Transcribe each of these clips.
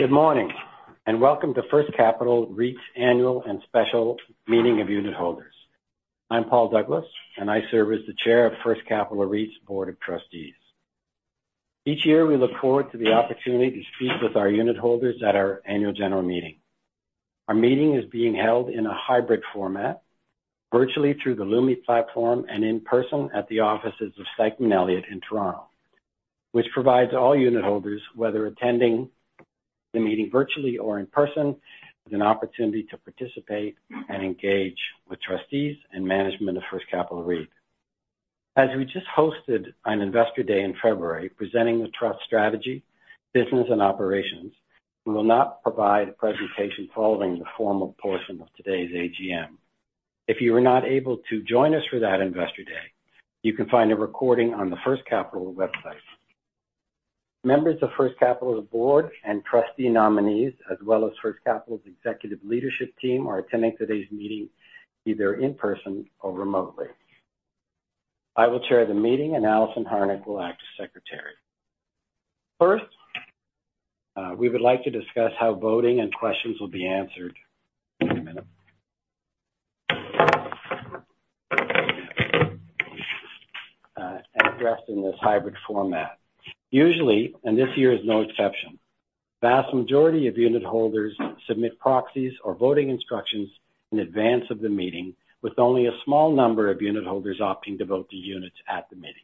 Good morning and welcome to First Capital REIT's Annual and Special Meeting of Unitholders. I'm Paul Douglas, and I serve as the Chair of First Capital REIT's Board of Trustees. Each year we look forward to the opportunity to speak with our unitholders at our Annual General Meeting. Our meeting is being held in a hybrid format, virtually through the Lumi platform and in person at the offices of Stikeman Elliott in Toronto, which provides all unitholders, whether attending the meeting virtually or in person, an opportunity to participate and engage with trustees and management of First Capital REIT. As we just hosted an Investor Day in February presenting the trust strategy, business, and operations, we will not provide a presentation following the formal portion of today's AGM. If you were not able to join us for that Investor Day, you can find a recording on the First Capital website. Members of First Capital's board and trustee nominees, as well as First Capital's executive leadership team, are attending today's meeting either in person or remotely. I will chair the meeting, and Alison Harnick will act as secretary. First, we would like to discuss how voting and questions will be answered in a minute and addressed in this hybrid format. Usually, and this year is no exception, the vast majority of unitholders submit proxies or voting instructions in advance of the meeting, with only a small number of unitholders opting to vote the units at the meeting.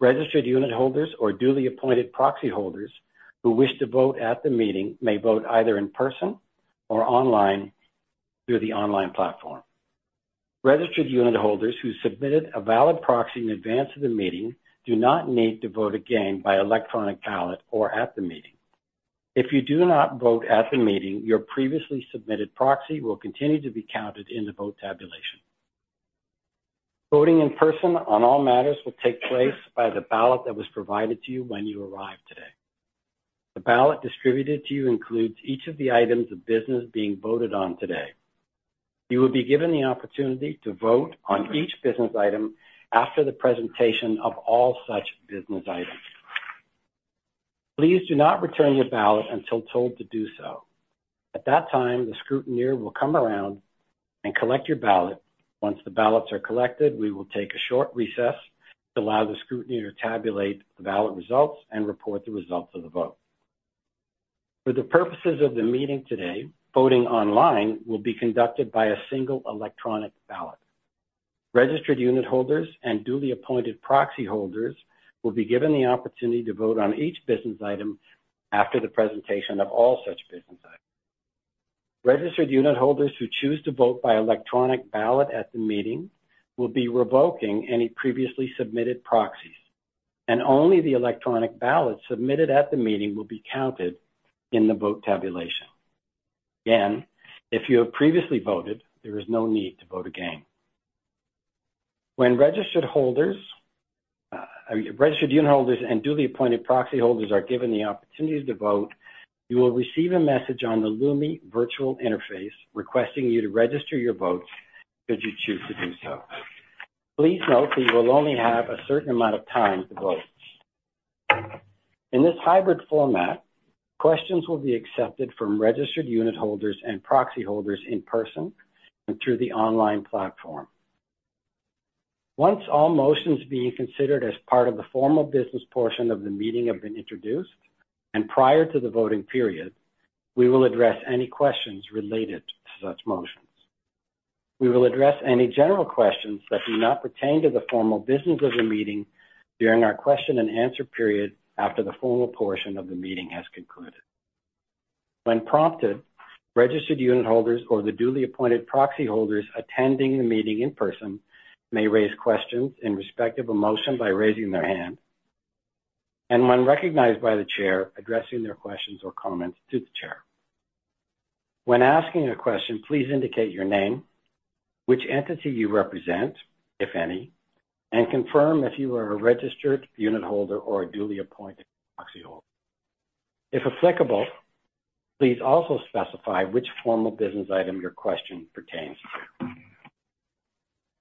Registered unitholders or duly appointed proxy holders who wish to vote at the meeting may vote either in person or online through the online platform. Registered unitholders who submitted a valid proxy in advance of the meeting do not need to vote again by electronic ballot or at the meeting. If you do not vote at the meeting, your previously submitted proxy will continue to be counted in the vote tabulation. Voting in person on all matters will take place by the ballot that was provided to you when you arrive today. The ballot distributed to you includes each of the items of business being voted on today. You will be given the opportunity to vote on each business item after the presentation of all such business items. Please do not return your ballot until told to do so. At that time, the scrutineer will come around and collect your ballot. Once the ballots are collected, we will take a short recess to allow the scrutineer to tabulate the ballot results and report the results of the vote. For the purposes of the meeting today, voting online will be conducted by a single electronic ballot. Registered unitholders and duly appointed proxy holders will be given the opportunity to vote on each business item after the presentation of all such business items. Registered unitholders who choose to vote by electronic ballot at the meeting will be revoking any previously submitted proxies, and only the electronic ballot submitted at the meeting will be counted in the vote tabulation. Again, if you have previously voted, there is no need to vote again. When registered unitholders and duly appointed proxy holders are given the opportunity to vote, you will receive a message on the Lumi virtual interface requesting you to register your votes should you choose to do so. Please note that you will only have a certain amount of time to vote. In this hybrid format, questions will be accepted from registered unitholders and proxy holders in person and through the online platform. Once all motions being considered as part of the formal business portion of the meeting have been introduced and prior to the voting period, we will address any questions related to such motions. We will address any general questions that do not pertain to the formal business of the meeting during our question and answer period after the formal portion of the meeting has concluded. When prompted, registered unitholders or the duly appointed proxy holders attending the meeting in person may raise questions in respect of a motion by raising their hand, and when recognized by the chair, addressing their questions or comments to the chair. When asking a question, please indicate your name, which entity you represent, if any, and confirm if you are a registered unitholder or a duly appointed proxy holder. If applicable, please also specify which formal business item your question pertains to.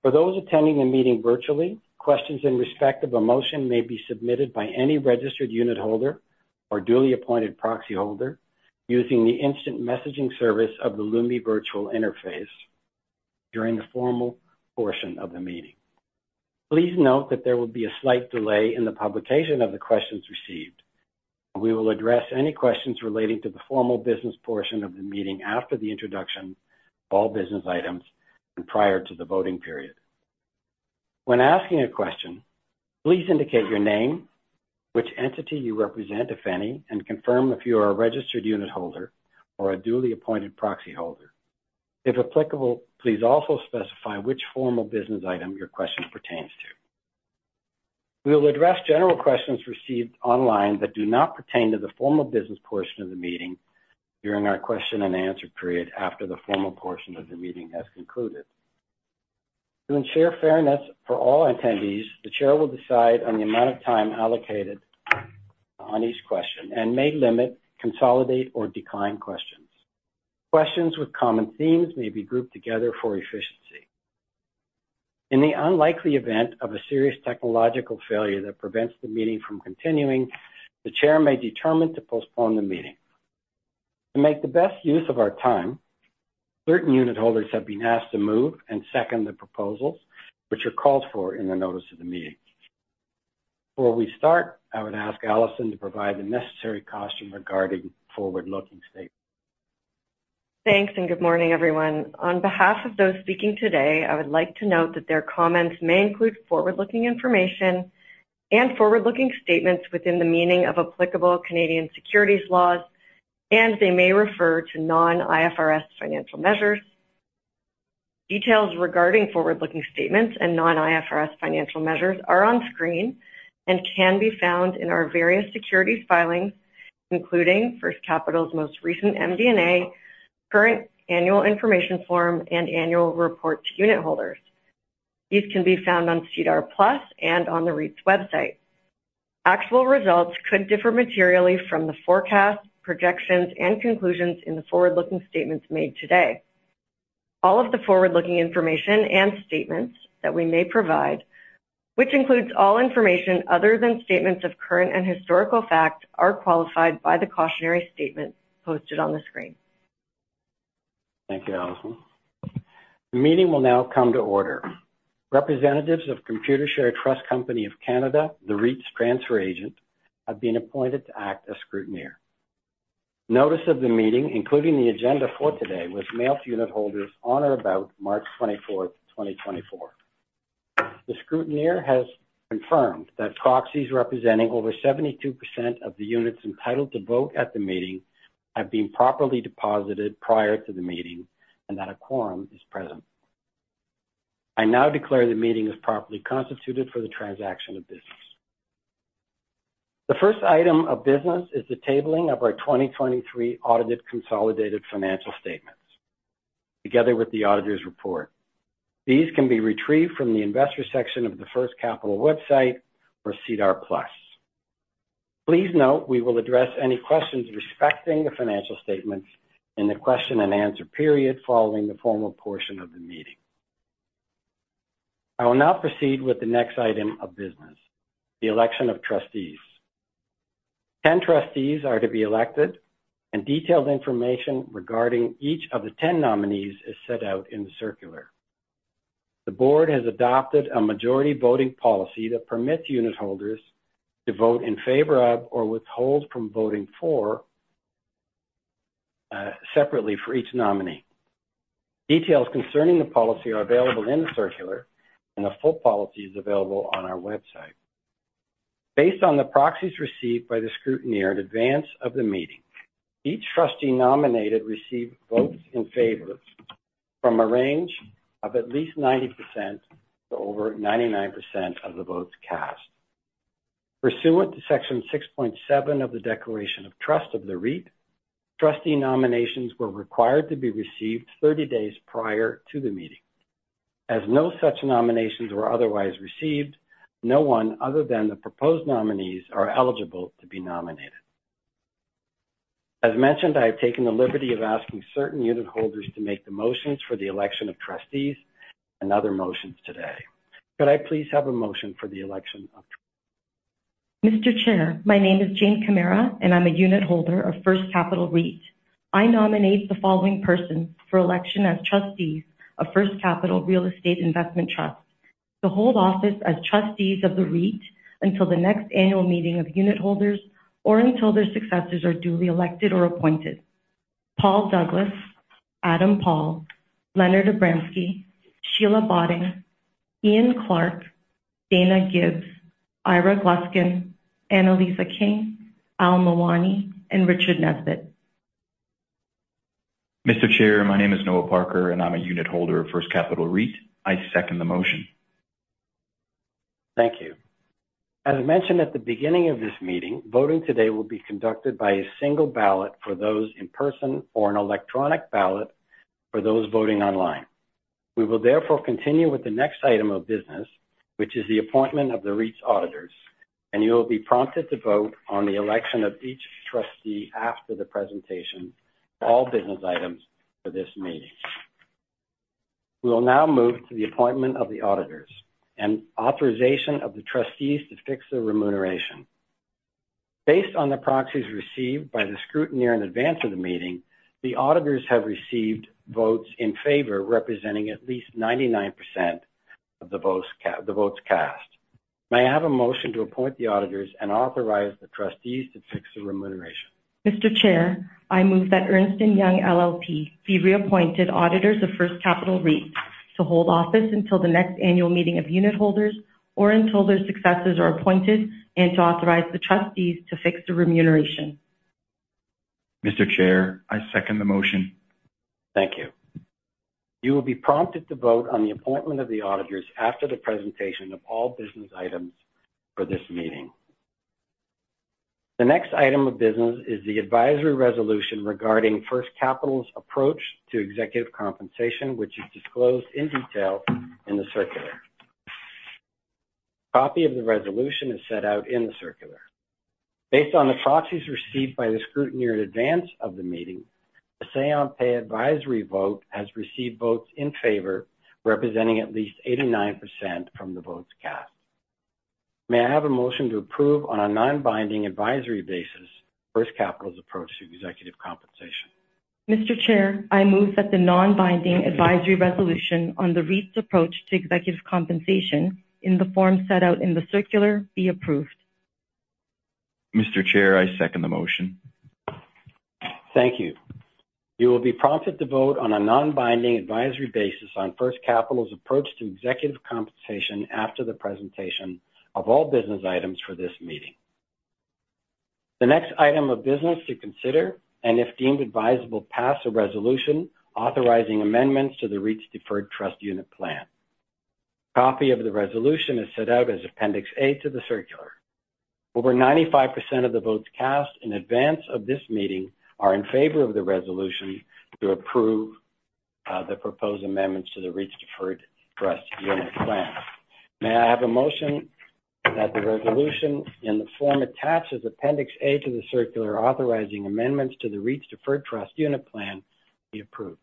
For those attending the meeting virtually, questions in respect of a motion may be submitted by any registered unitholder or duly appointed proxy holder using the instant messaging service of the Lumi virtual interface during the formal portion of the meeting. Please note that there will be a slight delay in the publication of the questions received, and we will address any questions relating to the formal business portion of the meeting after the introduction of all business items and prior to the voting period. When asking a question, please indicate your name, which entity you represent, if any, and confirm if you are a registered unitholder or a duly appointed proxy holder. If applicable, please also specify which formal business item your question pertains to. We will address general questions received online that do not pertain to the formal business portion of the meeting during our question and answer period after the formal portion of the meeting has concluded. To ensure fairness for all attendees, the chair will decide on the amount of time allocated on each question and may limit, consolidate, or decline questions. Questions with common themes may be grouped together for efficiency. In the unlikely event of a serious technological failure that prevents the meeting from continuing, the chair may determine to postpone the meeting. To make the best use of our time, certain unitholders have been asked to move and second the proposals, which are called for in the notice of the meeting. Before we start, I would ask Alison to provide the necessary caution regarding forward-looking statements. Thanks, and good morning, everyone. On behalf of those speaking today, I would like to note that their comments may include forward-looking information and forward-looking statements within the meaning of applicable Canadian securities laws, and they may refer to non-IFRS financial measures. Details regarding forward-looking statements and non-IFRS financial measures are on screen and can be found in our various securities filings, including First Capital's most recent MD&A, current Annual Information Form, and Annual Report to unitholders. These can be found on SEDAR+ and on the REIT's website. Actual results could differ materially from the forecasts, projections, and conclusions in the forward-looking statements made today. All of the forward-looking information and statements that we may provide, which includes all information other than statements of current and historical facts, are qualified by the cautionary statement posted on the screen. Thank you, Alison. The meeting will now come to order. Representatives of Computershare Trust Company of Canada, the REIT's transfer agent, have been appointed to act as scrutineer. Notice of the meeting, including the agenda for today, was mailed to unitholders on or about March 24th, 2024. The scrutineer has confirmed that proxies representing over 72% of the units entitled to vote at the meeting have been properly deposited prior to the meeting and that a quorum is present. I now declare the meeting as properly constituted for the transaction of business. The first item of business is the tabling of our 2023 audited consolidated financial statements together with the auditor's report. These can be retrieved from the investor section of the First Capital website or SEDAR+. Please note we will address any questions respecting the financial statements in the question and answer period following the formal portion of the meeting. I will now proceed with the next item of business, the election of trustees. 10 trustees are to be elected, and detailed information regarding each of the 10 nominees is set out in the circular. The board has adopted a majority voting policy that permits unitholders to vote in favor of or withhold from voting separately for each nominee. Details concerning the policy are available in the circular, and the full policy is available on our website. Based on the proxies received by the scrutineer in advance of the meeting, each trustee nominated received votes in favor from a range of at least 90%-over 99% of the votes cast. Pursuant to Section 6.7 of the Declaration of Trust of the REIT, trustee nominations were required to be received 30 days prior to the meeting. As no such nominations were otherwise received, no one other than the proposed nominees are eligible to be nominated. As mentioned, I have taken the liberty of asking certain unitholders to make the motions for the election of trustees and other motions today. Could I please have a motion for the election of trustees? Mr. Chair, my name is Jane Camara, and I'm a unitholder of First Capital REIT. I nominate the following person for election as trustee of First Capital Real Estate Investment Trust to hold office as trustees of the REIT until the next annual meeting of unitholders or until their successors are duly elected or appointed: Paul Douglas, Adam Paul, Leonard Abramsky, Sheila Botting, Ian Clarke, Dayna Gibbs, Ira Gluskin, Annalisa King, Al Mawani, and Richard Nesbitt. Mr. Chair, my name is Noah Parker, and I'm a unitholder of First Capital REIT. I second the motion. Thank you. As mentioned at the beginning of this meeting, voting today will be conducted by a single ballot for those in person or an electronic ballot for those voting online. We will therefore continue with the next item of business, which is the appointment of the REIT's auditors, and you will be prompted to vote on the election of each trustee after the presentation of all business items for this meeting. We will now move to the appointment of the auditors and authorization of the trustees to fix their remuneration. Based on the proxies received by the scrutineer in advance of the meeting, the auditors have received votes in favor representing at least 99% of the votes cast. May I have a motion to appoint the auditors and authorize the trustees to fix their remuneration? Mr. Chair, I move that Ernst & Young LLP be reappointed auditors of First Capital REIT to hold office until the next Annual Meeting of unitholders or until their successors are appointed and to authorize the trustees to fix their remuneration. Mr. Chair, I second the motion. Thank you. You will be prompted to vote on the appointment of the auditors after the presentation of all business items for this meeting. The next item of business is the advisory resolution regarding First Capital's approach to executive compensation, which is disclosed in detail in the circular. A copy of the resolution is set out in the circular. Based on the proxies received by the scrutineer in advance of the meeting, the Say on Pay Advisory Vote has received votes in favor representing at least 89% from the votes cast. May I have a motion to approve on a non-binding advisory basis First Capital's approach to executive compensation? Mr. Chair, I move that the non-binding advisory resolution on the REIT's approach to executive compensation in the form set out in the circular be approved. Mr. Chair, I second the motion. Thank you. You will be prompted to vote on a non-binding advisory basis on First Capital's approach to executive compensation after the presentation of all business items for this meeting. The next item of business to consider and, if deemed advisable, pass a resolution authorizing amendments to the REIT's Deferred Trust Unit Plan. A copy of the resolution is set out as Appendix A to the circular. Over 95% of the votes cast in advance of this meeting are in favor of the resolution to approve the proposed amendments to the REIT's Deferred Trust Unit Plan. May I have a motion that the resolution in the form attached as Appendix A to the circular authorizing amendments to the REIT's Deferred Trust Unit Plan be approved?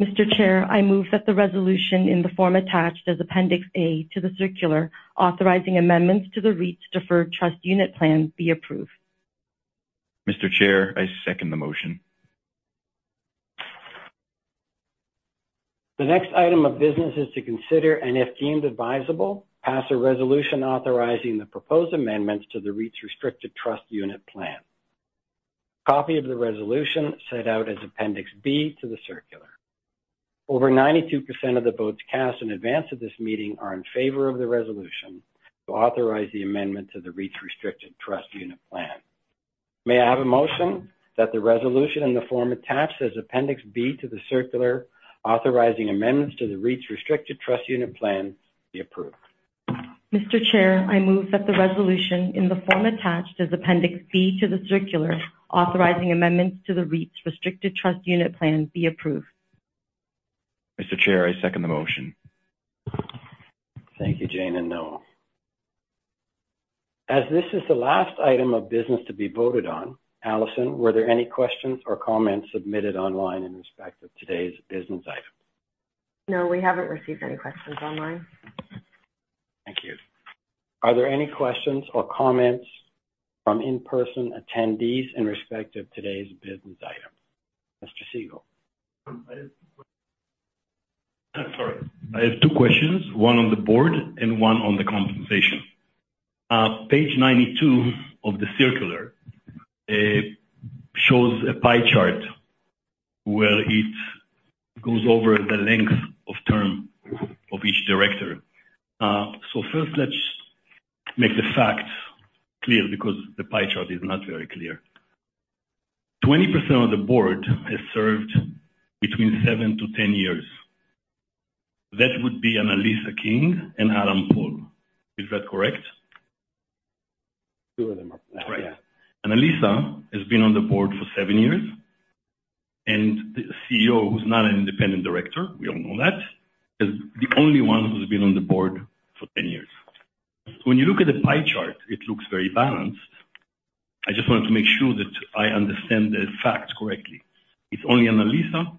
Mr. Chair, I move that the resolution in the form attached as Appendix A to the circular authorizing amendments to the REIT's Deferred Trust Unit Plan be approved. Mr. Chair, I second the motion. The next item of business is to consider and, if deemed advisable, pass a resolution authorizing the proposed amendments to the REIT's Restricted Trust Unit Plan. A copy of the resolution set out as Appendix B to the circular. Over 92% of the votes cast in advance of this meeting are in favor of the resolution to authorize the amendments to the REIT's Restricted Trust Unit Plan. May I have a motion that the resolution in the form attached as Appendix B to the circular authorizing amendments to the REIT's Restricted Trust Unit Plan be approved? Mr. Chair, I move that the resolution in the form attached as Appendix B to the circular authorizing amendments to the REIT's Restricted Trust Unit Plan be approved. Mr. Chair, I second the motion. Thank you, Jane and Noah. As this is the last item of business to be voted on, Alison, were there any questions or comments submitted online in respect of today's business items? No, we haven't received any questions online. Thank you. Are there any questions or comments from in-person attendees in respect of today's business items? Mr. Segal. I have two questions. I have two questions, one on the board and one on the compensation. Page 92 of the circular shows a pie chart where it goes over the length of term of each director. So first, let's make the facts clear because the pie chart is not very clear. 20% of the board has served between 7-10 years. That would be Annalisa King and Adam Paul. Is that correct? Two of them are, yeah. Right. Annalisa has been on the board for seven years, and the CEO, who's not an independent director - we all know that - is the only one who's been on the board for 10 years. So when you look at the pie chart, it looks very balanced. I just wanted to make sure that I understand the facts correctly. It's only Annalisa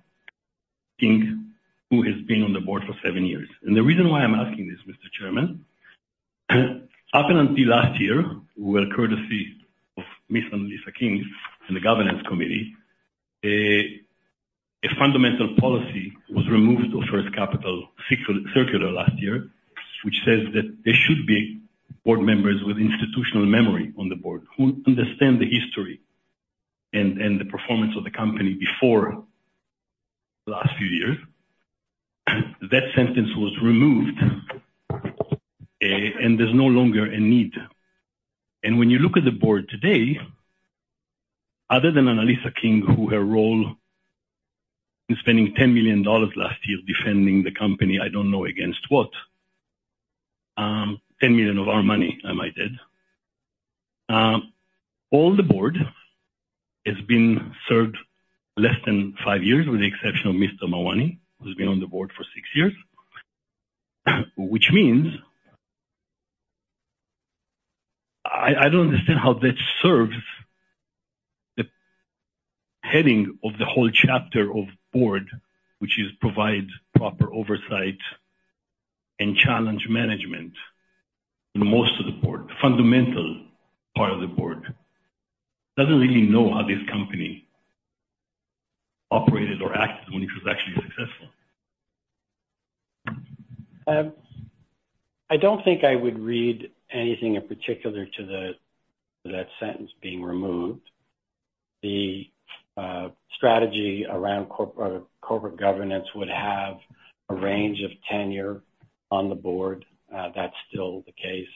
King who has been on the board for seven years. And the reason why I'm asking this, Mr. Chairman, up and until last year, with courtesy of Miss Annalisa King and the governance committee, a fundamental policy was removed of First Capital's circular last year, which says that there should be board members with institutional memory on the board who understand the history and the performance of the company before the last few years. That sentence was removed, and there's no longer a need. When you look at the board today, other than Annalisa King, whose role in spending 10 million dollars last year defending the company - I don't know against what - 10 million of our money. Am I right? All the board has served less than five years, with the exception of Mr. Mawani, who's been on the board for six years, which means I don't understand how that serves the heading of the whole chapter of board, which is provide proper oversight and challenge management. In most of the board, the fundamental part of the board, doesn't really know how this company operated or acted when it was actually successful. I don't think I would read anything in particular to that sentence being removed. The strategy around corporate governance would have a range of tenure on the board. That's still the case.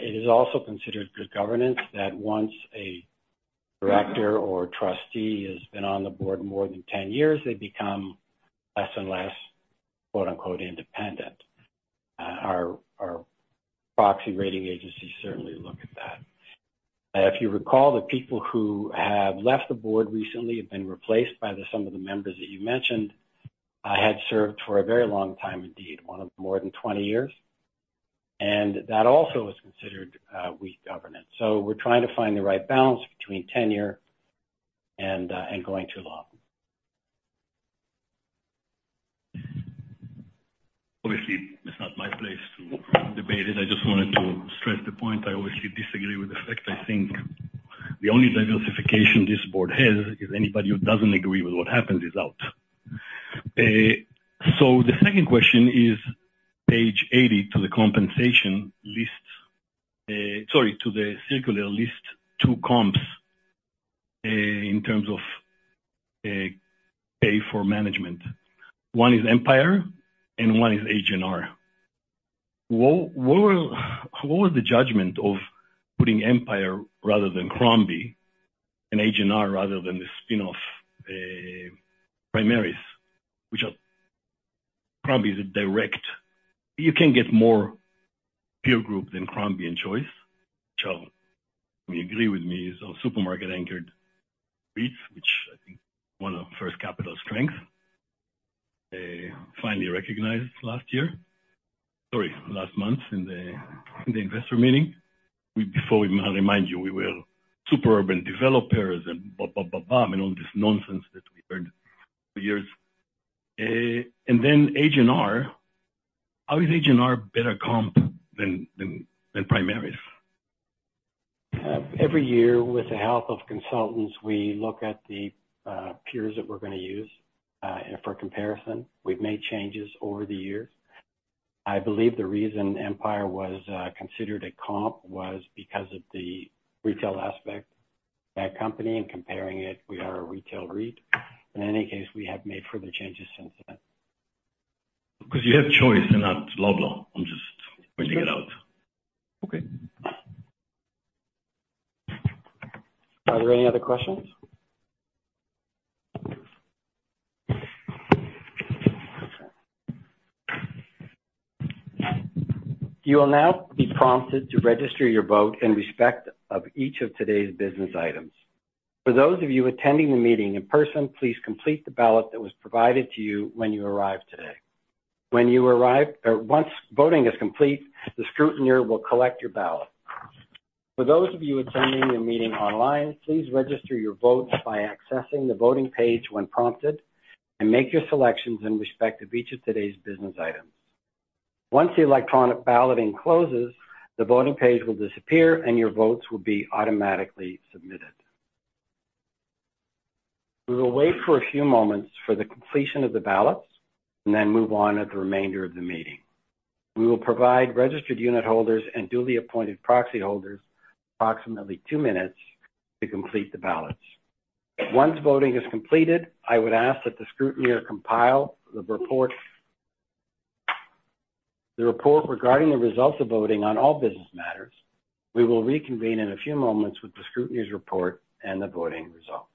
It is also considered good governance that once a director or trustee has been on the board more than 10 years, they become less and less "independent." Our proxy rating agencies certainly look at that. If you recall, the people who have left the board recently have been replaced by some of the members that you mentioned had served for a very long time, indeed, more than 20 years, and that also is considered weak governance. So we're trying to find the right balance between tenure and going too long. Obviously, it's not my place to debate it. I just wanted to stress the point. I obviously disagree with the fact. I think the only diversification this board has is anybody who doesn't agree with what happens is out. So the second question is page 80 to the compensation list sorry, to the circular list two comps in terms of pay for management. One is Empire, and one is H&R. What was the judgment of putting Empire rather than Crombie and H&R rather than the spinoff Primaris, which are Crombie is a direct you can't get more peer group than Crombie and Choice. Well, I mean, agree with me, is a supermarket-anchored REIT, which I think is one of First Capital's strengths, finally recognized last year sorry, last month in the investor meeting. Before we remind you, we were Super Urban developers and blah, blah, blah, blah, and all this nonsense that we heard for years. And then H&R, how is H&R a better comp than Primaris? Every year, with the help of consultants, we look at the peers that we're going to use for comparison. We've made changes over the years. I believe the reason Empire was considered a comp was because of the retail aspect of that company and comparing it. We are a retail REIT. In any case, we have made further changes since then. Because you have Choice and not Loblaw. I'm just pointing it out. Okay. Are there any other questions? You will now be prompted to register your vote in respect of each of today's business items. For those of you attending the meeting in person, please complete the ballot that was provided to you when you arrived today. Once voting is complete, the scrutineer will collect your ballot. For those of you attending the meeting online, please register your votes by accessing the voting page when prompted and make your selections in respect of each of today's business items. Once the electronic balloting closes, the voting page will disappear, and your votes will be automatically submitted. We will wait for a few moments for the completion of the ballots and then move on at the remainder of the meeting. We will provide registered unitholders and duly appointed proxy holders approximately two minutes to complete the ballots. Once voting is completed, I would ask that the scrutineer compile the report regarding the results of voting on all business matters. We will reconvene in a few moments with the scrutineer's report and the voting results.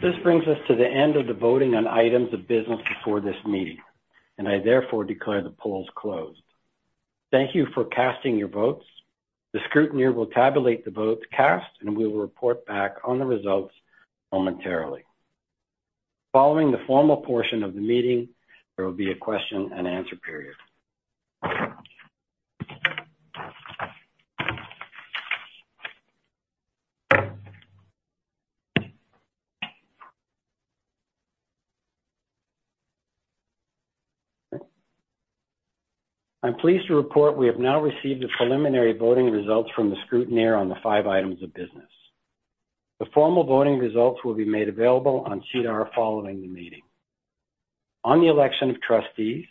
This brings us to the end of the voting on items of business before this meeting, and I therefore declare the polls closed. Thank you for casting your votes. The scrutineer will tabulate the votes cast, and we will report back on the results momentarily. Following the formal portion of the meeting, there will be a question-and-answer period. I'm pleased to report we have now received the preliminary voting results from the scrutineer on the five items of business. The formal voting results will be made available on SEDAR+ following the meeting. On the election of trustees,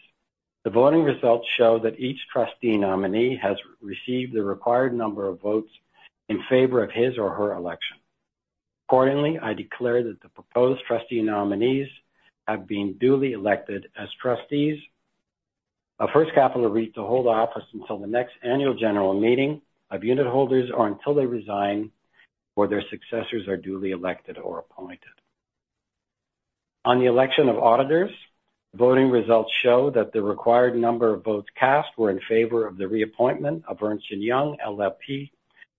the voting results show that each trustee nominee has received the required number of votes in favor of his or her election. Accordingly, I declare that the proposed trustee nominees have been duly elected as trustees of First Capital REIT to hold office until the next annual general meeting of unitholders, or until they resign or their successors are duly elected or appointed. On the election of auditors, the voting results show that the required number of votes cast were in favor of the reappointment of Ernst & Young LLP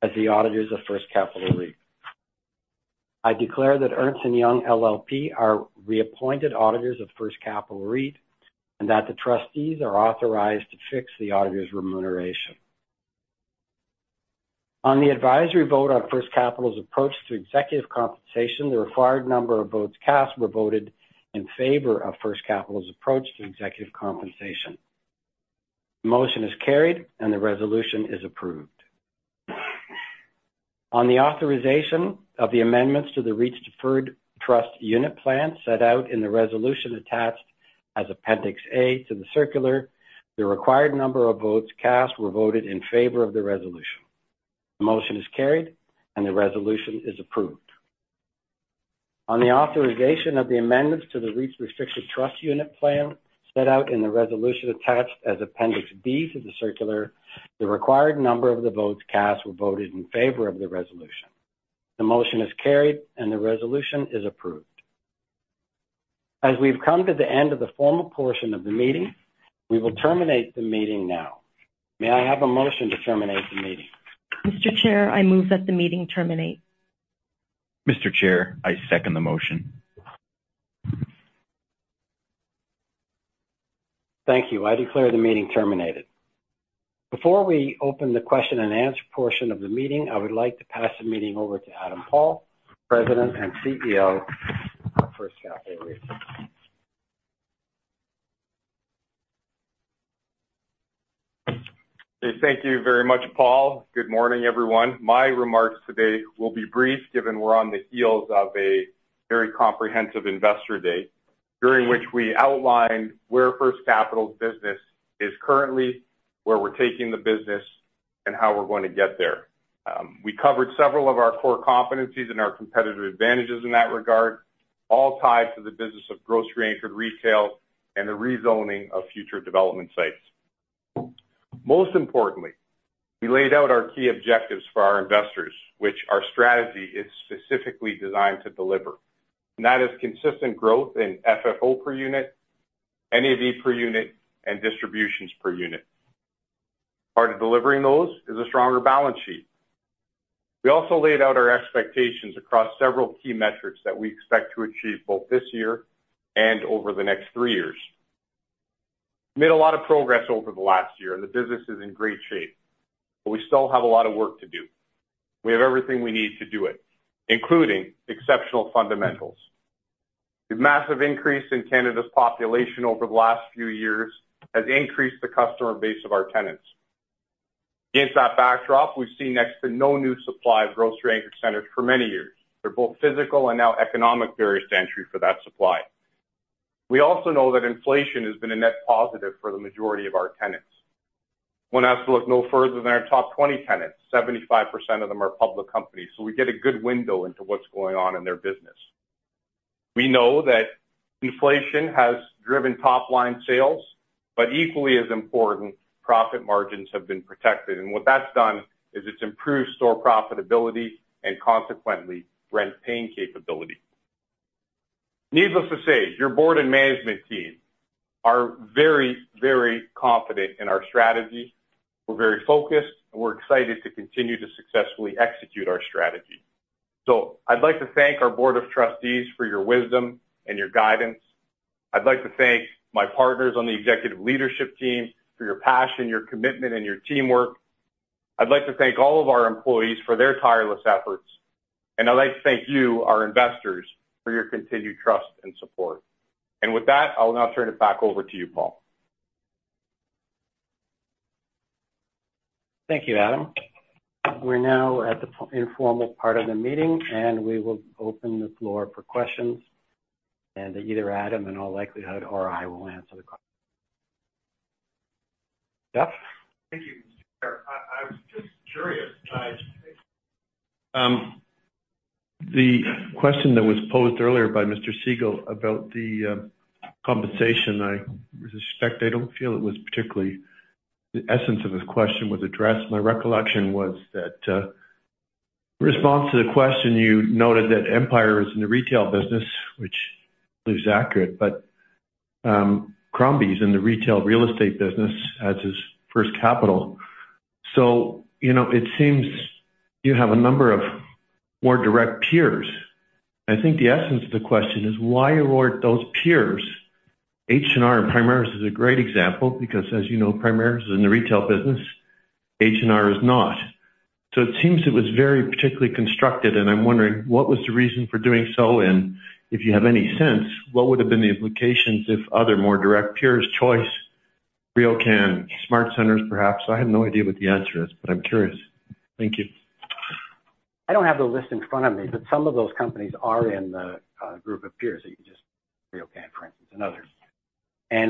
as the auditors of First Capital REIT. I declare that Ernst & Young LLP are reappointed auditors of First Capital REIT and that the trustees are authorized to fix the auditor's remuneration. On the advisory vote on First Capital's approach to executive compensation, the required number of votes cast were voted in favor of First Capital's approach to executive compensation. The motion is carried, and the resolution is approved. On the authorization of the amendments to the REIT's Deferred Trust Unit Plan set out in the resolution attached as Appendix A to the circular, the required number of votes cast were voted in favor of the resolution. The motion is carried, and the resolution is approved. On the authorization of the amendments to the REIT's Restricted Trust Unit Plan set out in the resolution attached as Appendix B to the circular, the required number of the votes cast were voted in favor of the resolution. The motion is carried, and the resolution is approved. As we've come to the end of the formal portion of the meeting, we will terminate the meeting now. May I have a motion to terminate the meeting? Mr. Chair, I move that the meeting terminate. Mr. Chair, I second the motion. Thank you. I declare the meeting terminated. Before we open the question-and-answer portion of the meeting, I would like to pass the meeting over to Adam Paul, President and CEO of First Capital REIT. Thank you very much, Paul. Good morning, everyone. My remarks today will be brief given we're on the heels of a very comprehensive Investor Day during which we outlined where First Capital's business is currently, where we're taking the business, and how we're going to get there. We covered several of our core competencies and our competitive advantages in that regard, all tied to the business of grocery-anchored retail and the rezoning of future development sites. Most importantly, we laid out our key objectives for our investors, which our strategy is specifically designed to deliver. And that is consistent growth in FFO per unit, NAV per unit, and distributions per unit. Part of delivering those is a stronger balance sheet. We also laid out our expectations across several key metrics that we expect to achieve both this year and over the next three years. We made a lot of progress over the last year, and the business is in great shape, but we still have a lot of work to do. We have everything we need to do it, including exceptional fundamentals. The massive increase in Canada's population over the last few years has increased the customer base of our tenants. Against that backdrop, we've seen next to no new supply of grocery-anchored centers for many years. There are both physical and now economic barriers to entry for that supply. We also know that inflation has been a net positive for the majority of our tenants. When asked to look no further than our top 20 tenants, 75% of them are public companies, so we get a good window into what's going on in their business. We know that inflation has driven top-line sales, but equally as important, profit margins have been protected. What that's done is it's improved store profitability and consequently rent-paying capability. Needless to say, your board and management team are very, very confident in our strategy. We're very focused, and we're excited to continue to successfully execute our strategy. I'd like to thank our board of trustees for your wisdom and your guidance. I'd like to thank my partners on the executive leadership team for your passion, your commitment, and your teamwork. I'd like to thank all of our employees for their tireless efforts. I'd like to thank you, our investors, for your continued trust and support. With that, I will now turn it back over to you, Paul. Thank you, Adam. We're now at the informal part of the meeting, and we will open the floor for questions. Either Adam in all likelihood or I will answer the questions. Jeff? Thank you, Mr. Chair. I was just curious. The question that was posed earlier by Mr. Segal about the compensation, I suspect I don't feel it was particularly the essence of his question was addressed. My recollection was that in response to the question, you noted that Empire is in the retail business, which is accurate, but Crombie is in the retail real estate business as is First Capital. So it seems you have a number of more direct peers. I think the essence of the question is why award those peers H&R and Primaris is a great example because, as you know, Primaris is in the retail business. H&R is not. So it seems it was very particularly constructed, and I'm wondering what was the reason for doing so, and if you have any sense, what would have been the implications if other more direct peers, Choice, RioCan, SmartCentres perhaps? I have no idea what the answer is, but I'm curious. Thank you. I don't have the list in front of me, but some of those companies are in the group of peers that you just RioCan, for instance, and others.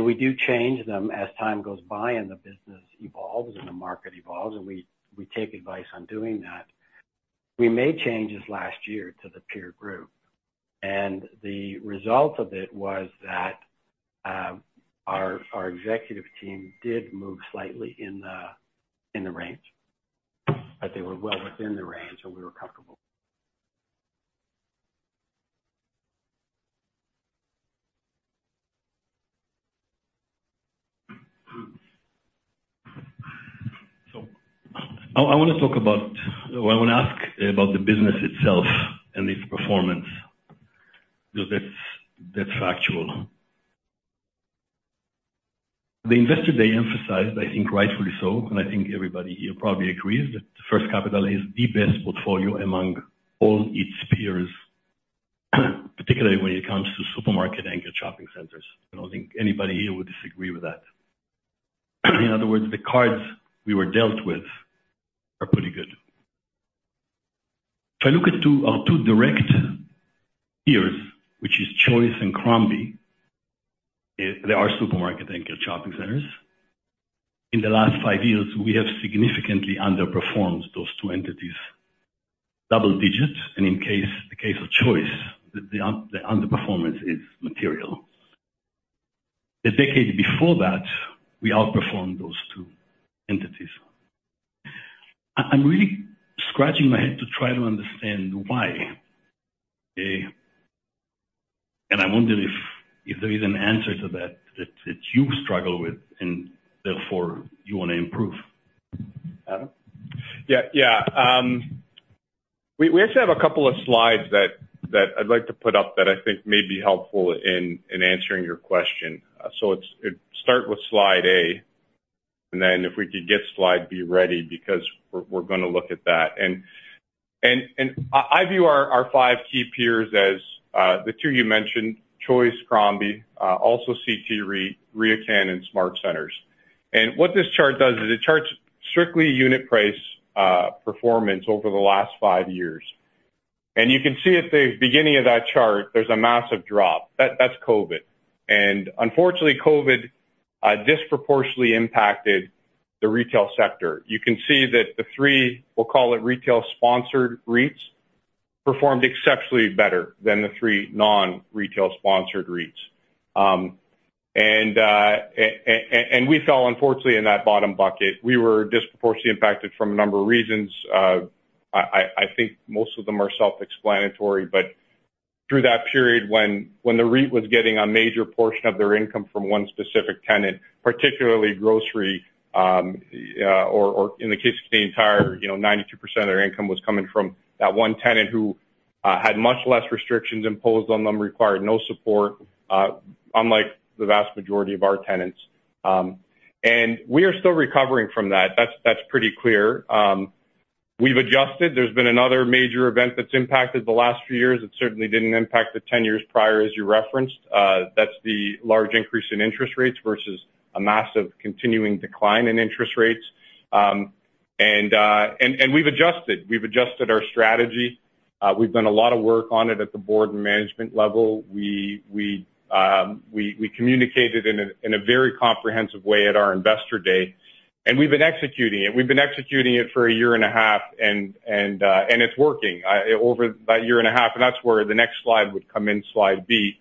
We do change them as time goes by and the business evolves and the market evolves, and we take advice on doing that. We made changes last year to the peer group, and the result of it was that our executive team did move slightly in the range, but they were well within the range, and we were comfortable. I want to talk about well, I want to ask about the business itself and its performance because that's factual. The Investor Day emphasized, I think rightfully so, and I think everybody here probably agrees, that First Capital has the best portfolio among all its peers, particularly when it comes to supermarket-anchored shopping centers. I don't think anybody here would disagree with that. In other words, the cards we were dealt with are pretty good. If I look at our two direct peers, which is Choice and Crombie, they are supermarket-anchored shopping centers. In the last five years, we have significantly underperformed those two entities, double-digit, and in the case of Choice, the underperformance is material. The decade before that, we outperformed those two entities. I'm really scratching my head to try to understand why, and I wonder if there is an answer to that that you struggle with and therefore you want to improve. Adam? Yeah. Yeah. We actually have a couple of slides that I'd like to put up that I think may be helpful in answering your question. So start with slide A, and then if we could get slide B ready because we're going to look at that. I view our five key peers as the two you mentioned, Choice, Crombie, also CT REIT, RioCan, and SmartCentres. What this chart does is it charts strictly unit-price performance over the last five years. You can see at the beginning of that chart, there's a massive drop. That's COVID. Unfortunately, COVID disproportionately impacted the retail sector. You can see that the three, we'll call it retail-sponsored REITs, performed exceptionally better than the three non-retail-sponsored REITs. We fell, unfortunately, in that bottom bucket. We were disproportionately impacted from a number of reasons. I think most of them are self-explanatory, but through that period when the REIT was getting a major portion of their income from one specific tenant, particularly grocery, or in the case of the entire, 92% of their income was coming from that one tenant who had much less restrictions imposed on them, required no support, unlike the vast majority of our tenants. We are still recovering from that. That's pretty clear. We've adjusted. There's been another major event that's impacted the last few years. It certainly didn't impact the 10 years prior as you referenced. That's the large increase in interest rates versus a massive continuing decline in interest rates. We've adjusted. We've adjusted our strategy. We've done a lot of work on it at the board and management level. We communicated in a very comprehensive way at our Investor Day, and we've been executing it. We've been executing it for a year and a half, and it's working over that year and a half. And that's where the next slide would come in, slide B.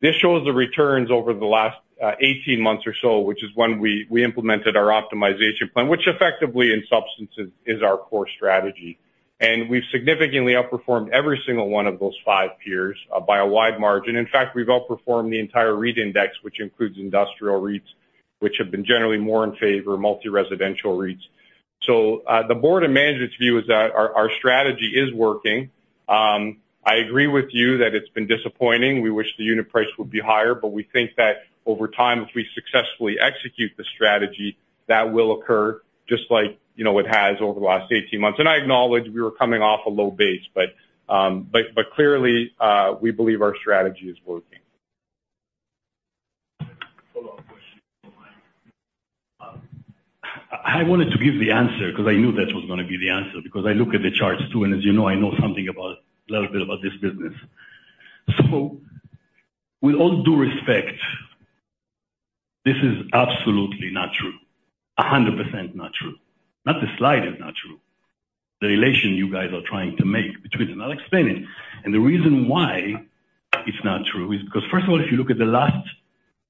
This shows the returns over the last 18 months or so, which is when we implemented our optimization plan, which effectively, in substance, is our core strategy. And we've significantly outperformed every single one of those five peers by a wide margin. In fact, we've outperformed the entire REIT index, which includes industrial REITs, which have been generally more in favor, multi-residential REITs. So the board and management's view is that our strategy is working. I agree with you that it's been disappointing. We wish the unit price would be higher, but we think that over time, if we successfully execute the strategy, that will occur just like it has over the last 18 months. I acknowledge we were coming off a low base, but clearly, we believe our strategy is working. Hold on one question. I wanted to give the answer because I knew that was going to be the answer because I look at the charts too, and as you know, I know something about a little bit about this business. So with all due respect, this is absolutely not true, 100% not true. Not the slide is not true. The relation you guys are trying to make between them. I'll explain it. And the reason why it's not true is because, first of all, if you look at the last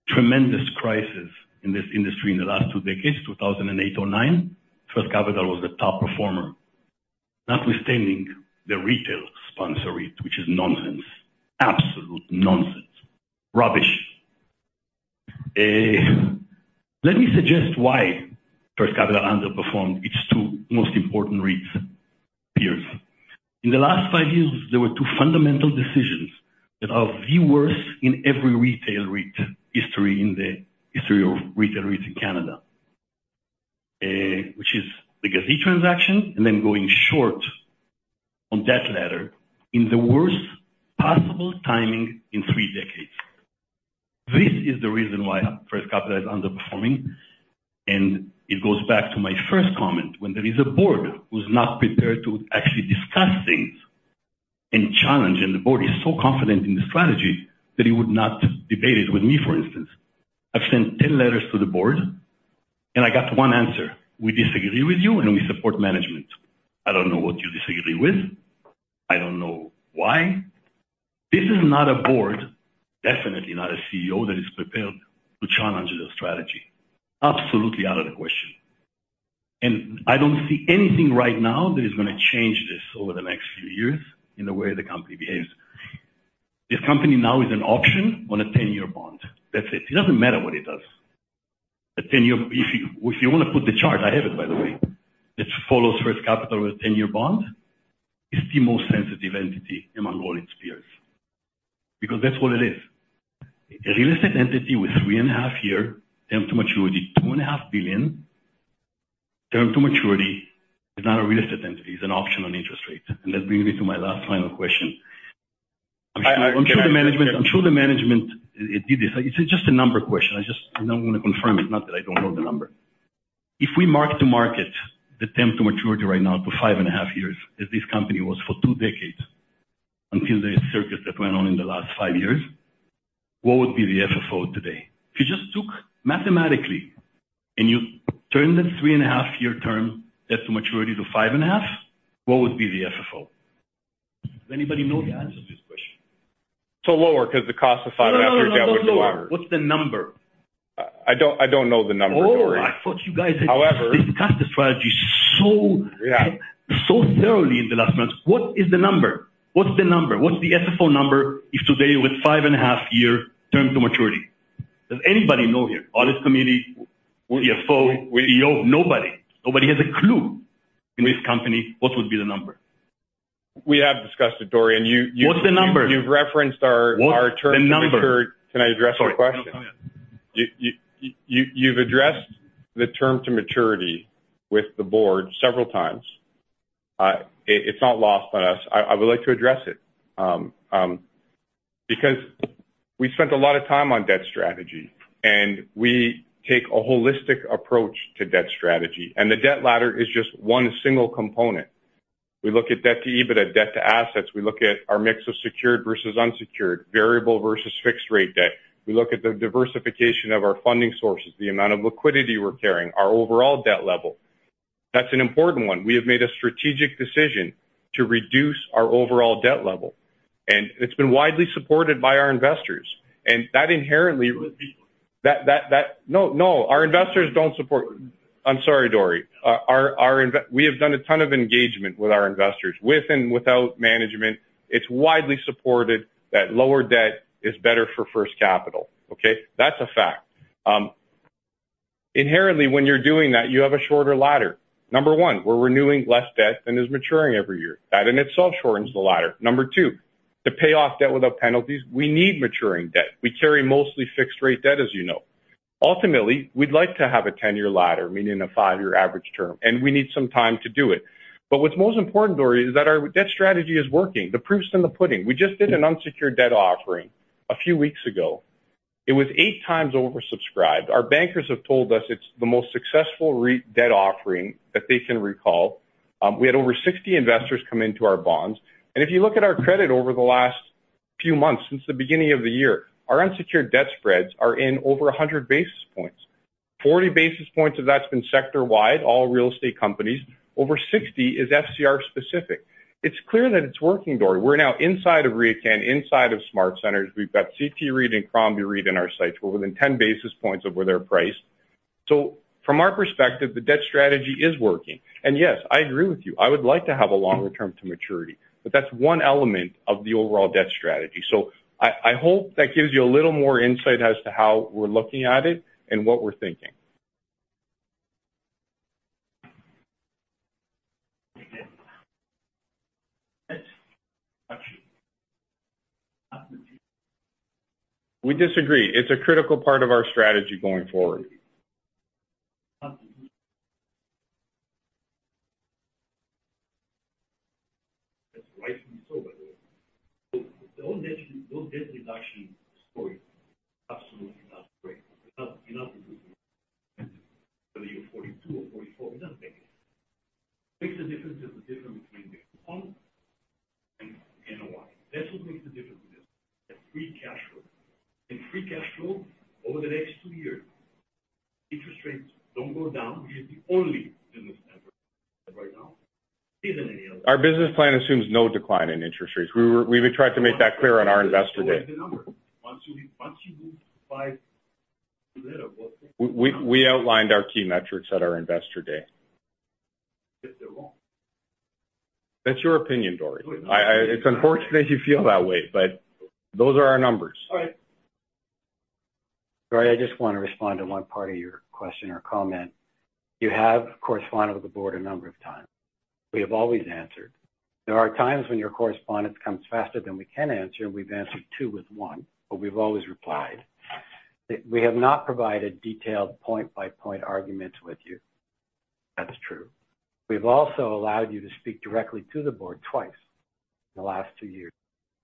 tremendous crisis in this industry in the last two decades, 2008 or 2009, First Capital was the top performer, notwithstanding the retail-sponsored REIT, which is nonsense, absolute nonsense, rubbish. Let me suggest why First Capital underperformed its two most important REIT peers. In the last five years, there were two fundamental decisions that are the worst in every retail REIT history in the history of retail REITs in Canada, which is the Gazit transaction and then going short on that ladder in the worst possible timing in three decades. This is the reason why First Capital is underperforming. It goes back to my first comment. When there is a board who's not prepared to actually discuss things and challenge, and the board is so confident in the strategy that it would not debate it with me, for instance, I've sent 10 letters to the board, and I got one answer, "We disagree with you, and we support management." I don't know what you disagree with. I don't know why. This is not a board, definitely not a CEO, that is prepared to challenge their strategy. Absolutely out of the question. And I don't see anything right now that is going to change this over the next few years in the way the company behaves. This company now is an option on a 10-year bond. That's it. It doesn't matter what it does. A 10-year if you want to put the chart, I have it, by the way. It follows First Capital with a 10-year bond. It's the most sensitive entity among all its peers because that's what it is. A real estate entity with 3.5-year term to maturity, 2.5 billion term to maturity is not a real estate entity. It's an option on interest rate. And that brings me to my last final question. I'm sure the management I'm sure the management did this. It's just a number question. I just want to confirm it, not that I don't know the number. If we mark to market the term to maturity right now to 5.5 years as this company was for two decades until the circus that went on in the last five years, what would be the FFO today? If you just took mathematically and you turned that 3.5-year term to maturity to 5.5, what would be the FFO? Does anybody know the answer to this question? It's so lower because the cost of 5.5 years downwards is whatever. No, no, no, no. What's the number? I don't know the number, Dori. Oh, I thought you guys had discussed the strategy so thoroughly in the last months. What is the number? What's the number? What's the FFO number if today you're at 5.5-year term to maturity? Does anybody know here? Audit committee, CFO, CEO? Nobody. Nobody has a clue in this company what would be the number. We have discussed it, Dori, and you've referenced our term to maturity. What's the number? Can I address your question? Oh, yeah. Oh, yeah. You've addressed the term to maturity with the board several times. It's not lost on us. I would like to address it because we spent a lot of time on debt strategy, and we take a holistic approach to debt strategy. The debt ladder is just one single component. We look at debt to EBITDA, debt to assets. We look at our mix of secured versus unsecured, variable versus fixed-rate debt. We look at the diversification of our funding sources, the amount of liquidity we're carrying, our overall debt level. That's an important one. We have made a strategic decision to reduce our overall debt level, and it's been widely supported by our investors. That inherently. Who is people? No, no. Our investors don't support—I'm sorry, Dori. We have done a ton of engagement with our investors, with and without management. It's widely supported that lower debt is better for First Capital, okay? That's a fact. Inherently, when you're doing that, you have a shorter ladder. Number one, we're renewing less debt than is maturing every year. That in itself shortens the ladder. Number two, to pay off debt without penalties, we need maturing debt. We carry mostly fixed-rate debt, as you know. Ultimately, we'd like to have a 10-year ladder, meaning a five year average term, and we need some time to do it. But what's most important, Dori, is that our debt strategy is working. The proof's in the pudding. We just did an unsecured debt offering a few weeks ago. It was eight times oversubscribed. Our bankers have told us it's the most successful REIT debt offering that they can recall. We had over 60 investors come into our bonds. And if you look at our credit over the last few months, since the beginning of the year, our unsecured debt spreads are in over 100 basis points. 40 basis points of that's been sector-wide, all real estate companies. Over 60 is FCR-specific. It's clear that it's working, Dori. We're now inside of RioCan, inside of SmartCentres. We've got CT REIT and Crombie REIT in our sights, over the 10 basis points of where they're priced. So from our perspective, the debt strategy is working. And yes, I agree with you. I would like to have a longer term to maturity, but that's one element of the overall debt strategy. I hope that gives you a little more insight as to how we're looking at it and what we're thinking. We disagree. It's a critical part of our strategy going forward. That's rightfully so, by the way. So those debt reduction stories. Absolutely not great. You're not reducing it. Whether you're 42 or 44, we're not making it. What makes the difference is the difference between the compound and the NOI. That's what makes the difference in this, the free cash flow. And free cash flow, over the next two years, interest rates don't go down, which is the only business number right now. It isn't any other. Our business plan assumes no decline in interest rates. We've tried to make that clear on our Investor Day. Just show us the number. Once you move five to the letter, what's the. We outlined our key metrics at our Investor Day. Yes, they're wrong. That's your opinion, Dori. It's unfortunate you feel that way, but those are our numbers. All right. Dori, I just want to respond to one part of your question or comment. You have corresponded with the board a number of times. We have always answered. There are times when your correspondence comes faster than we can answer, and we've answered two with one, but we've always replied. We have not provided detailed point-by-point arguments with you. That's true. We've also allowed you to speak directly to the board twice in the last two years,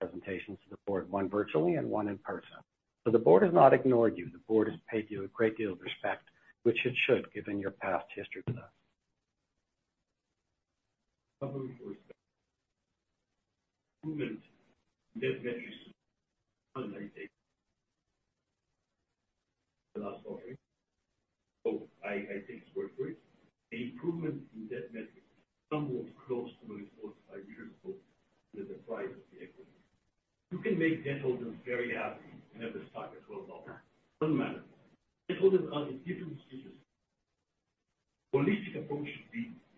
presentations to the board, one virtually and one in person. So the board has not ignored you. The board has paid you a great deal of respect, which it should given your past history with us. Improvement in debt metrics on an annual basis for the last four or three years. So I think it's worth worrying. The improvement in debt metrics is somewhat close to what it was five years ago under the price of the equity. You can make debt holders very happy and have the stock at CAD 12. Doesn't matter. Debt holders are in different institutions. The holistic approach should be running the business for the benefit of all stakeholders, not the debt holders, not other stakeholders. That's not what you're doing right now. And that's only getting discouraged. Mr. Weller. Thank you.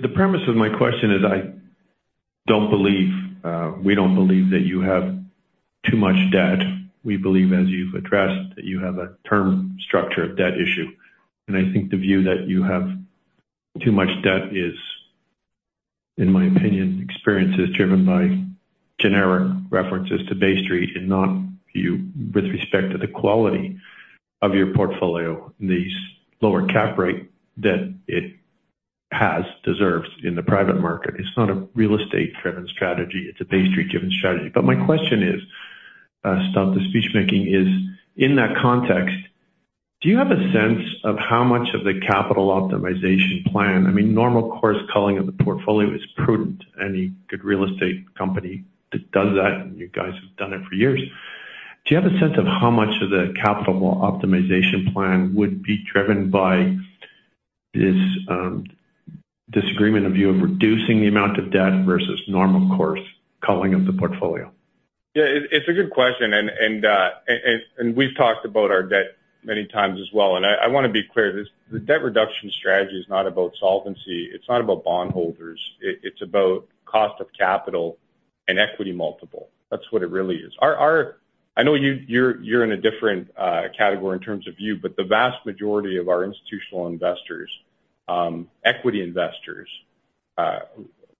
The premise of my question is I don't believe we don't believe that you have too much debt. We believe, as you've addressed, that you have a term structure of debt issue. And I think the view that you have too much debt is, in my opinion, experience is driven by generic references to Bay Street and not view with respect to the quality of your portfolio and the lower cap rate that it has, deserves, in the private market. It's not a real estate-driven strategy. It's a Bay Street-driven strategy. But my question is, stop the speechmaking, is in that context, do you have a sense of how much of the capital optimization plan I mean, normal course calling of the portfolio is prudent. Any good real estate company that does that, and you guys have done it for years. Do you have a sense of how much of the capital optimization plan would be driven by this disagreement with you on reducing the amount of debt versus normal course culling of the portfolio? Yeah, it's a good question. We've talked about our debt many times as well. I want to be clear. The debt reduction strategy is not about solvency. It's not about bond holders. It's about cost of capital and equity multiple. That's what it really is. I know you're in a different category in terms of view, but the vast majority of our institutional investors, equity investors,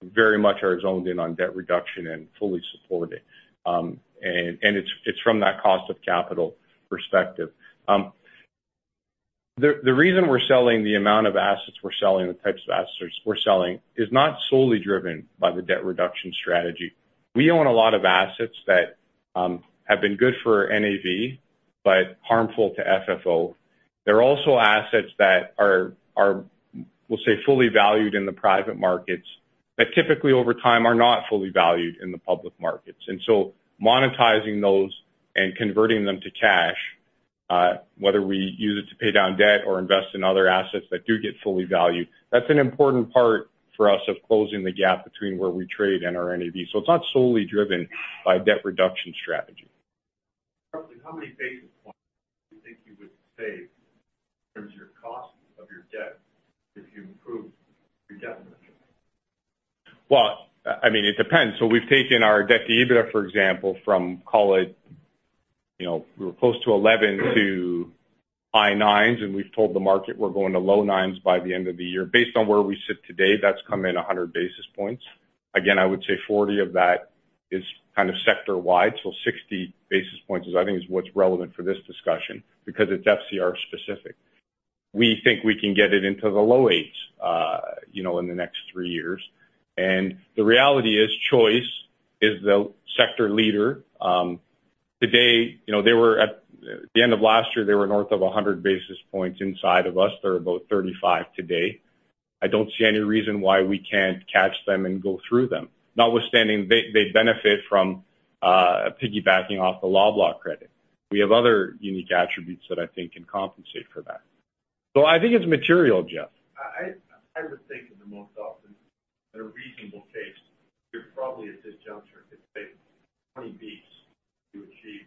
very much are zoned in on debt reduction and fully support it. It's from that cost of capital perspective. The reason we're selling the amount of assets we're selling, the types of assets we're selling, is not solely driven by the debt reduction strategy. We own a lot of assets that have been good for NAV but harmful to FFO. There are also assets that are, we'll say, fully valued in the private markets that typically, over time, are not fully valued in the public markets. And so monetizing those and converting them to cash, whether we use it to pay down debt or invest in other assets that do get fully valued, that's an important part for us of closing the gap between where we trade and our NAV. It's not solely driven by debt reduction strategy. Roughly, how many basis points do you think you would save in terms of your cost of your debt if you improved your debt metrics? Well, I mean, it depends. So we've taken our debt to EBITDA, for example, from call it we were close to 11 to high 9s, and we've told the market we're going to low 9s by the end of the year. Based on where we sit today, that's come in 100 basis points. Again, I would say 40 of that is kind of sector-wide. So 60 basis points, I think, is what's relevant for this discussion because it's FCR-specific. We think we can get it into the low 8s in the next three years. And the reality is Choice is the sector leader. Today, they were at the end of last year, they were north of 100 basis points inside of us. They're about 35 today. I don't see any reason why we can't catch them and go through them, notwithstanding they benefit from piggybacking off the Loblaw credit. We have other unique attributes that I think can compensate for that. So I think it's material, Jeff. I would think that the most often, in a reasonable case, you're probably at this juncture. It takes 20 bps to achieve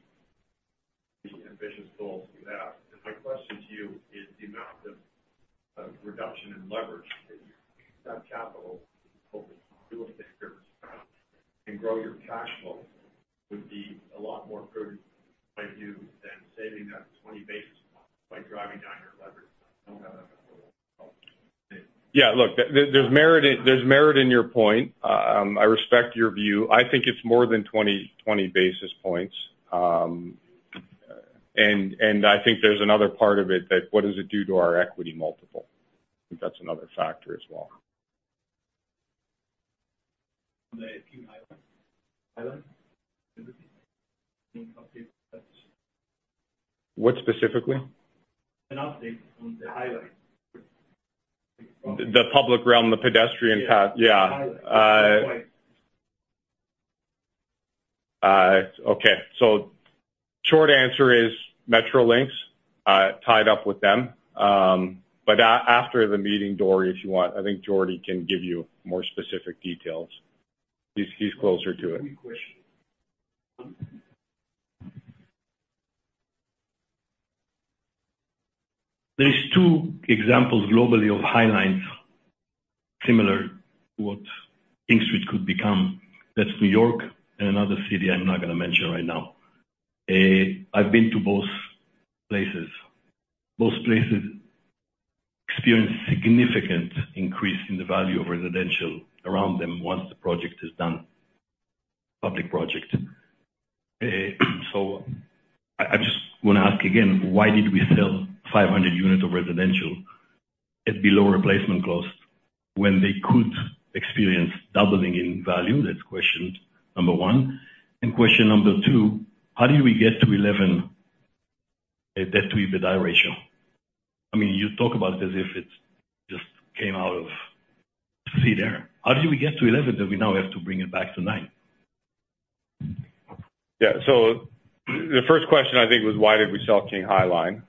the ambitious goals you have. And my question to you is, the amount of reduction in leverage that you've got capital over real estate service and grow your cash flow would be a lot more prudent, in my view, than saving that 20 basis points by driving down your leverage if you don't have that leverage. Yeah. Look, there's merit in your point. I respect your view. I think it's more than 20 basis points. And I think there's another part of it that what does it do to our equity multiple? I think that's another factor as well. On the King High Line? An update on that decision. What specifically? An update on the High Line. The public realm, the pedestrian path? Yeah. Yeah. High Line. Okay. So short answer is Metrolinx, tied up with them. But after the meeting, Dori, if you want, I think Jordy can give you more specific details. He's closer to it. Let me question you. There are two examples globally of High Lines similar to what the King High Line could become. That's New York and another city I'm not going to mention right now. I've been to both places. Both places experienced significant increase in the value of residential around them once the project is done, public project. So I just want to ask again, why did we sell 500 units of residential at below replacement cost when they could experience doubling in value? That's question number one. Question number two, how did we get to 11 debt to EBITDA ratio? I mean, you talk about it as if it just came out of thin air. How did we get to 11 that we now have to bring it back to nine? Yeah. So the first question, I think, was why did we sell King High Line?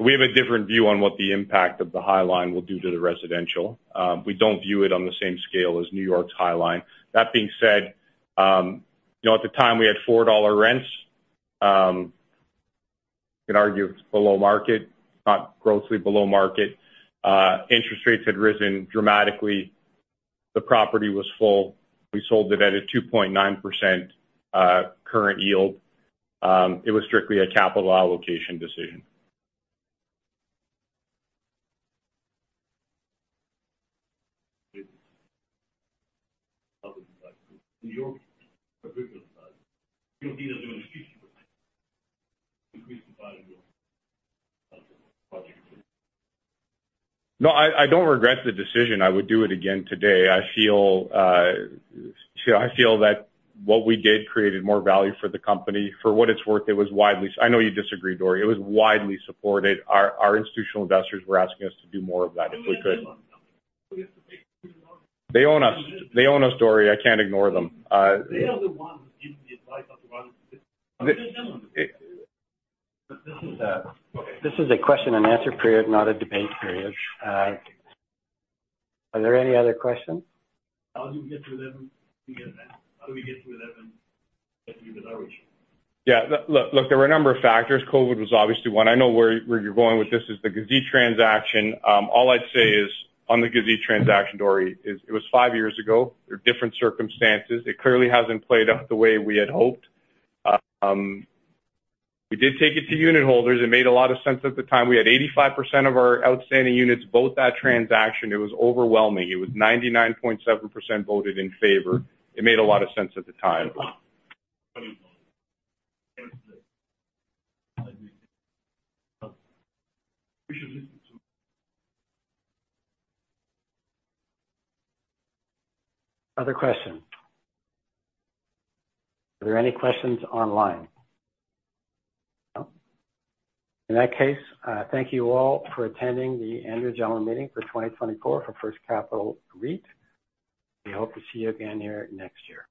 We have a different view on what the impact of the high line will do to the residential. We don't view it on the same scale as New York's High Line. That being said, at the time, we had CAD $4 rents. You can argue it's below market, not grossly below market. Interest rates had risen dramatically. The property was full. We sold it at a 2.9% current yield. It was strictly a capital allocation decision. New York's capital side, you don't see it as doing a 50% increase to buy a new project? No, I don't regret the decision. I would do it again today. I feel that what we did created more value for the company. For what it's worth, I know you disagree, Dori. It was widely supported. Our institutional investors were asking us to do more of that if we could. They own us. They own us, Dori. I can't ignore them. They are the ones giving the advice not to run it. I'll send them on the. This is a question and answer period, not a debate period. Are there any other questions? How do we get to 11? How do we get to 11 debt to EBITDA ratio? Yeah. Look, there were a number of factors. COVID was obviously one. I know where you're going with this. It's the Gazit transaction. All I'd say is on the Gazit transaction, Dori, is it was five years ago. There are different circumstances. It clearly hasn't played out the way we had hoped. We did take it to unitholders. It made a lot of sense at the time. We had 85% of our outstanding units vote that transaction. It was overwhelming. It was 99.7% voted in favor. It made a lot of sense at the time. Other question? Are there any questions online? No? In that case, thank you all for attending the annual general meeting for 2024 for First Capital REIT. We hope to see you again here next year.